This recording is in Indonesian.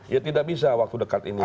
ya tidak bisa waktu dekat ini